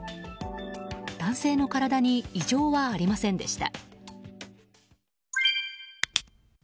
男性の体に異常はありませんでした。